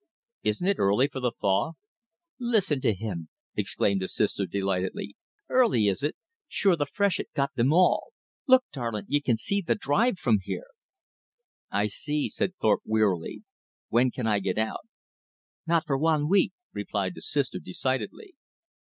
"Isn't it early for the thaw?" "Listen to 'im!" exclaimed the Sister delightedly. "Early is it! Sure th' freshet co't thim all. Look, darlint, ye kin see th' drive from here." "I see," said Thorpe wearily, "when can I get out?" "Not for wan week," replied the Sister decidedly.